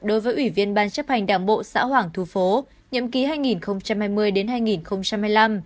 đối với ủy viên ban chấp hành đảng bộ xã hoàng thu phố nhậm ký hai nghìn hai mươi hai nghìn hai mươi năm